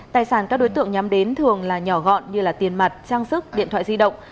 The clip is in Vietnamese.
tài sản các đối tượng nhắm đến thường là nhỏ gọn như tiền mặt trang sức điện thoại di động